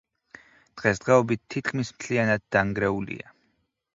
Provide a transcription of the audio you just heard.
დღესდღეობით თითქმის მთლიანად დანგრეულია.